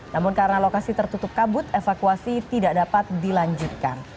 namun karena lokasi tertutup kabut evakuasi tidak dapat dilanjutkan